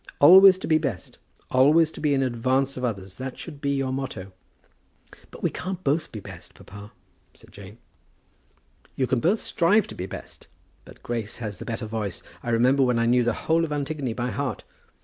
"Always to be best; always to be in advance of others. That should be your motto." "But we can't both be best, papa," said Jane. "You can both strive to be best. But Grace has the better voice. I remember when I knew the whole of the Antigone by heart.